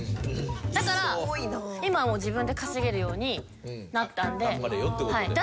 だから今はもう自分で稼げるようになったんで。